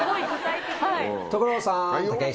はい。